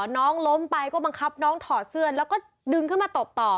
น้องล้มไปก็บังคับน้องถอดเสื้อแล้วก็ดึงขึ้นมาตบต่อ